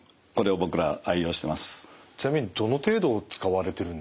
ちなみにどの程度使われているんでしょう？